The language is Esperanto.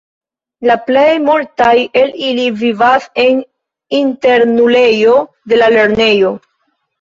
La plej multaj el ili vivas en internulejo de la lernejo.